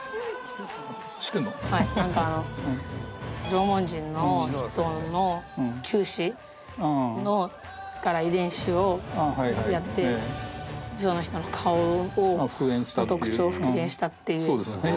縄文人の人の臼歯から遺伝子をやってその人の顔の特徴を復元したっていう。